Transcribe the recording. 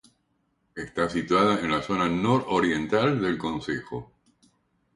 Está situada en la zona nororiental del concejo.